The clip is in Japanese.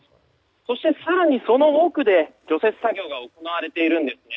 そして更にその奥で除雪作業が行われているんです。